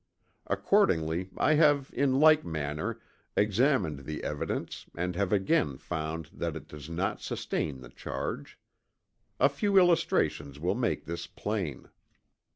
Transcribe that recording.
Accordingly I have in like manner, examined the evidence and have again found that it does not sustain the charge. A few illustrations will make this plain.